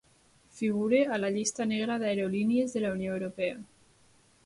Figura a la llista negra d'aerolínies de la Unió Europea.